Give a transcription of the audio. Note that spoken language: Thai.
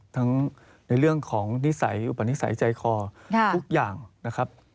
ในเรื่องของนิสัยอุปนิสัยใจคอทุกอย่างนะครับ